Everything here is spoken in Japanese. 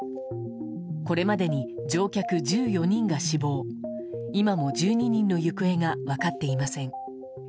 これまでに乗客１４人が死亡今も１２人の行方が分かっていません。